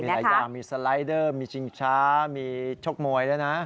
หลายอย่างมีสไลดเดอร์มีชิงช้ามีชกมวยด้วยนะ